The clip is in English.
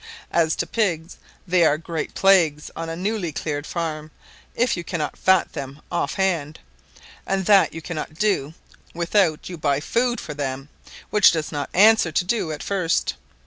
As to pigs they are great plagues on a newly cleared farm if you cannot fat them off hand; and that you cannot do without you buy food for them, which does not answer to do at first.